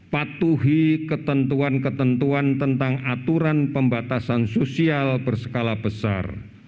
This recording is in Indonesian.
patuhi ketentuan ketentuan tentang aturan pembatasan sosial berskala besar